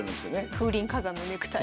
風林火山のネクタイ。